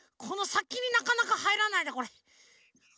このさきになかなかはいらないんだこれ。